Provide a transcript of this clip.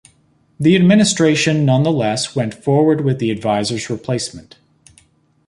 The administration nonetheless went forward with the advisor's replacement.